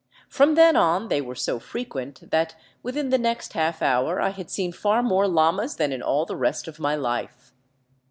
From then on they were so frequent that within the next half l hour I had seen far more llamas than in all the rest of my life.